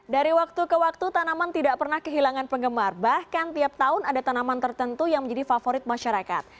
dari waktu ke waktu tanaman tidak pernah kehilangan penggemar bahkan tiap tahun ada tanaman tertentu yang menjadi favorit masyarakat